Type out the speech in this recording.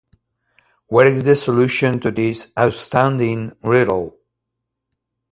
What is the solution to this astounding riddle?